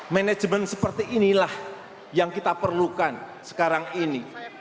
manajemen seperti inilah yang kita perlukan sekarang ini